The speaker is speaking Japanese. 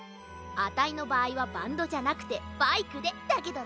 あたいのばあいはバンドじゃなくてバイクでだけどな。